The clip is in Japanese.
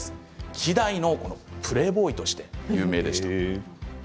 希代のプレーボーイとして有名でした。